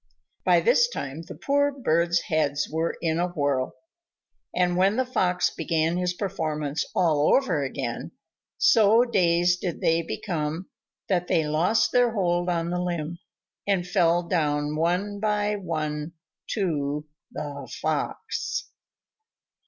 By this time the poor birds' heads were in a whirl. And when the Fox began his performance all over again, so dazed did they become, that they lost their hold on the limb, and fell down one by one to the Fox.